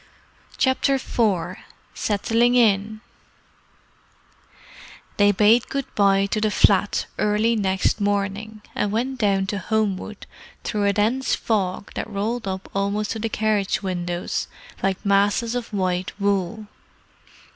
CHAPTER IV SETTLING IN They bade good bye to the flat early next morning and went down to Homewood through a dense fog that rolled up almost to the carriage windows like masses of white wool.